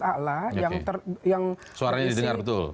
a'la yang terdiri